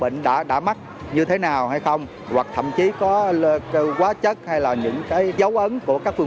bệnh đã đã mắc như thế nào hay không hoặc thậm chí có quá chất hay là những cái dấu ấn của các phương